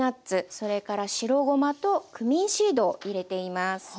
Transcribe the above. それから白ごまとクミンシードを入れています。